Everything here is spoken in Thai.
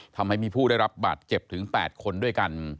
ทำให้มีผู้ได้รับบาดเจ็บถึง๘คนด้วยกัน